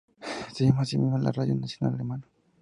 Se llama a sí misma la radio nacional alemana.